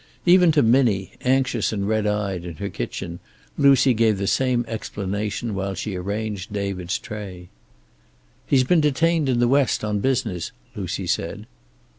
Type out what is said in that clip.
Even to Minnie, anxious and red eyed in her kitchen, Lucy gave the same explanation while she arranged David's tray. "He has been detained in the West on business," Lucy said.